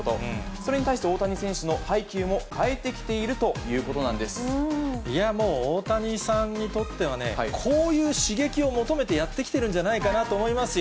それに対して、大谷選手の配球も変えてきているということなんでいや、もう大谷さんにとってはね、こういう刺激を求めて、やってきてるんじゃないかなと思いますよ。